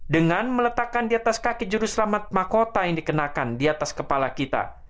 dengan meletakkan di atas kaki juruselamat makota yang dikenakan di atas kepala kita